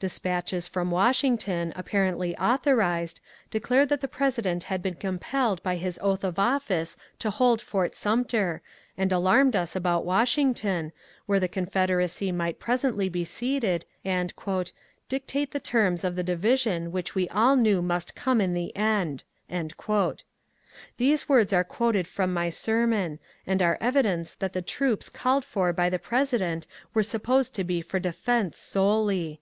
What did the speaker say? Despatches from Washington, apparently authorized, declared that the President had been compelled by his oath of office to hold Fort Sumter, and alarmed us about Washington, where the Confederacy might presently be seated and '' dic tate the terms of the division which we all knew must come in the end.'' These words are quoted from my sermon, and are evidence that the troops called for by the President were supposed to be for defence solely.